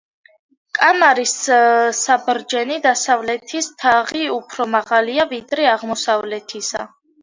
კამარის საბრჯენი დასავლეთის თაღი უფრო მაღალია, ვიდრე აღმოსავლეთისა.